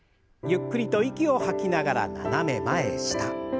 ゆっくりと息を吐きながら斜め前下。